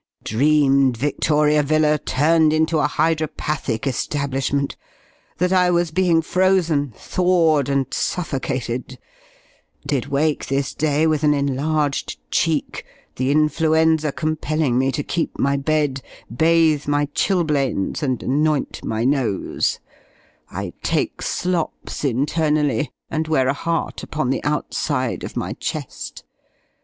Dreamed Victoria Villa turned into a hydropathic establishment that I was being frozen, thawed, and suffocated; did wake, this day, with an enlarged cheek the influenza compelling me to keep my bed, bathe my chilblains, and anoint my nose; I take slops internally, and wear a heart upon the outside of my chest.